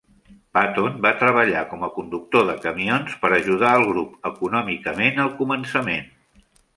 Paton va treballar com a conductor de camions per ajudar el grup econòmicament al començament.